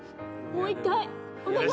もう１回！